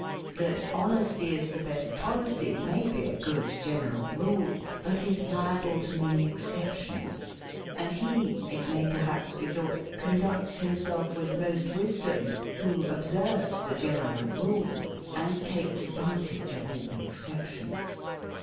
That HONESTY IS THE BEST POLICY, may be a good general rule, but is liable to many exceptions; and he, it may perhaps be thought, conducts himself with most wisdom, who observes the general rule, and takes advantage of all the exceptions.